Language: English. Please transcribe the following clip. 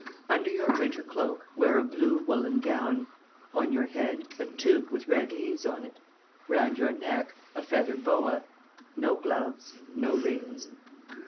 "Under your winter cloak, wear a blue woollen gown. On your head, a toque with red leaves on it. Round your neck, a feather boa. No gloves. No rings.